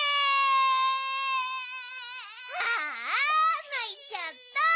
ああないちゃった。